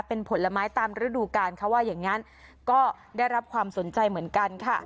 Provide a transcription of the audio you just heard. เป็นผลไม้ตามฤดูกาลเขาว่าอย่างนั้นก็ได้รับความสนใจเหมือนกันค่ะ